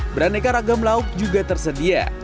beraneka ragam lauk juga tersedia